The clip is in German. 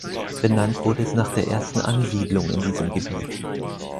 Benannt wurde es nach der ersten Ansiedlung in diesem Gebiet.